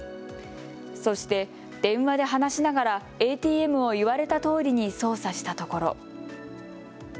そして電話で話しながらＡＴＭを言われたとおりに操作したところ。